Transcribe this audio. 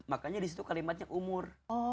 makanya disitu kalimatnya umur